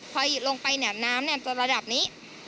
พอลงไปน้ำจะระดับนี้